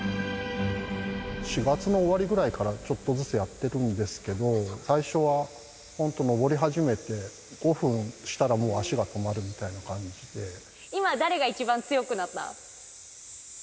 ４月の終わりぐらいからちょっとずつやってるんですけど、最初は本当、登り始めて５分したら、今、誰が一番強くなった？